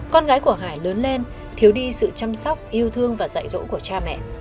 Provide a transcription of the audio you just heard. con gái của hải lớn lên thiếu đi sự chăm sóc yêu thương và dạy dỗ của cha mẹ